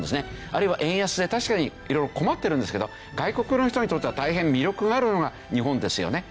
あるいは円安で確かに色々困ってるんですけど外国の人にとっては大変魅力があるのが日本ですよね。